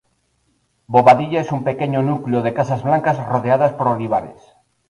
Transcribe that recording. Bobadilla es un pequeño núcleo de casas blancas rodeadas por olivares.